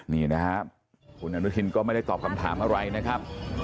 นี่นะครับคุณอนุทินก็ไม่ได้ตอบคำถามอะไรนะครับ